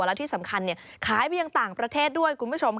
และที่สำคัญขายไปอย่างต่างประเทศด้วย